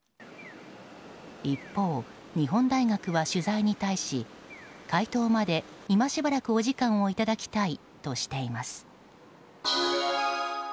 一方、日本大学は取材に対し回答まで今しばらくお時間をいただきたいとしています。